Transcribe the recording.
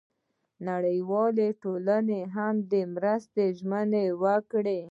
نړیوالې ټولنې هم د مرستې ژمنه وکړه.